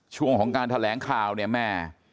ช่วงของการแถลงข่าวเนี่ยแม่